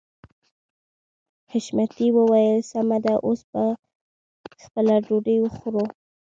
حشمتي وويل سمه ده اوس به خپله ډوډۍ وخورو.